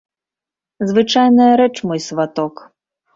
Звычайная рэч, мой сваток.